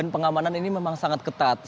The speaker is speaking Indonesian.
pengamanan ini memang sangat ketat